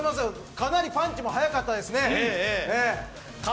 かなりパンチも速かったですね。